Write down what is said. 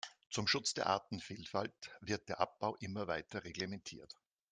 Zum Schutz der Artenvielfalt wird der Abbau immer weiter reglementiert.